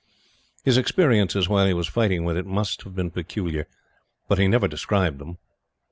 His experiences while he was fighting with it must have been peculiar, but he never described them.